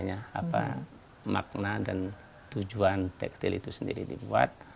apa makna dan tujuan tekstil itu sendiri dibuat